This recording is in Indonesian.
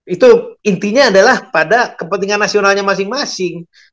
itu intinya adalah pada kepentingan nasionalnya masing masing